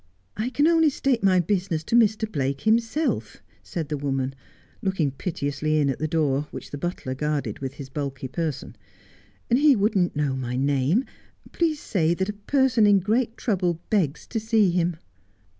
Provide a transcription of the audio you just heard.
' I can only state my business to Mr. Blake himself,' said the woman, looking piteously in at the door, which the butlei guarded with his bulky person, ' and he would not know my name. Please say that a person in great trouble begs to see him.'